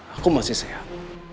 aku masih sehat